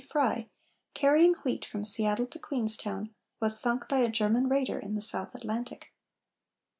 Frye, carrying wheat from Seattle to Queenstown, was sunk by a German raider in the South Atlantic.